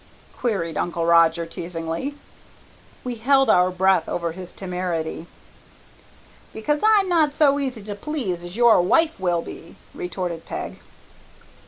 queried Uncle Roger teasingly. We held our breath over his temerity. "Because I'm not so easy to please as your wife will be," retorted Peg.